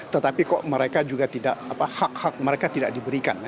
tetapi kok mereka juga tidak hak hak mereka tidak diberikan